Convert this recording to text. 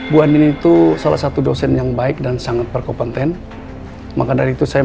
bu anin itu salah satu dosen yang baik dan sangat berkompeten maka dari itu saya